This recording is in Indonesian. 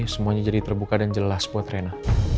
semuanya jadi terbuka dan jelas buat rena